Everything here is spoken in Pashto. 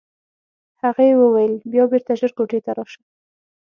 هغه یې وویل بیا بېرته ژر کوټې ته راشه.